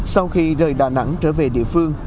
sau khi rời đà nẵng trở về địa phương